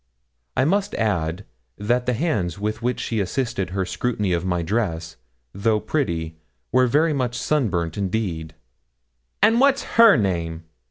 I must add that the hands with which she assisted her scrutiny of my dress, though pretty, were very much sunburnt indeed. 'And what's her name?'